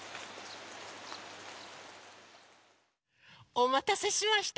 おまたせしました！